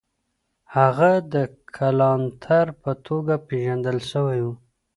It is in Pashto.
هغه د کلانتر په توګه پېژندل سوی و.